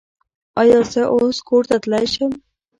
ایا زه اوس کور ته تلی شم؟